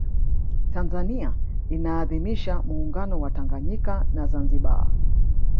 tanzania inaadhimisha muungano wa tanganyika na zanzibar